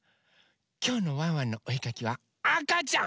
きょうの「ワンワンのおえかき」はあかちゃん！